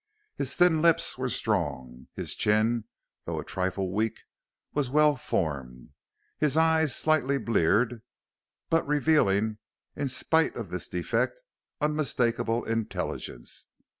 His thin lips were strong; his chin, though a trifle weak, was well formed; his eyes slightly bleared, but revealing, in spite of this defect, unmistakable intelligence.